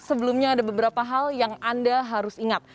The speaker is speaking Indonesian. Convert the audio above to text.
sebelumnya ada beberapa hal yang anda harus ingat